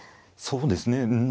そうですね